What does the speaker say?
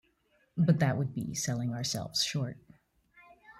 But that would be selling ourselves short.